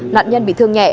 nạn nhân bị thương nhẹ